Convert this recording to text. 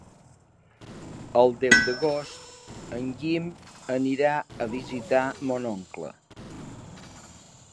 El deu d'agost en Guim anirà a visitar mon oncle.